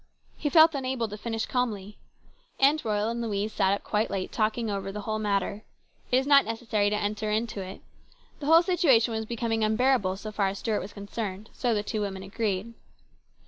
He felt unable to finish calmly. Aunt Royal and Louise sat up quite late talking over the whole matter. It is not necessary to enter into it. The whole situation was becoming unbearable so far as Stuart was concerned, so the two women agreed.